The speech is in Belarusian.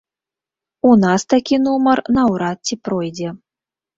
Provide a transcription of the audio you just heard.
У нас такі нумар наўрад ці пройдзе.